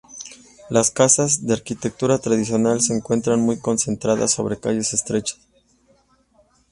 Las casas, de arquitectura tradicional, se encuentran muy concentradas sobre calles estrechas.